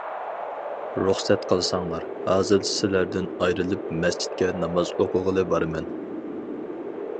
رۇخسەت قىلساڭلار، ھازىر سىلەردىن ئايرىلىپ مەسچىتكە ناماز ئوقۇغىلى بارىمەن.